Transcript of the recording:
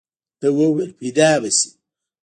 ده وويل پيدا به شي.